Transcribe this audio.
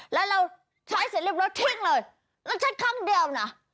แล้วเราใช้เสร็จเรียบร้อยทิ้งเลยแล้วใช้ครั้งเดียวนะ